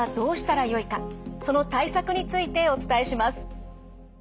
その対策についてお伝えします。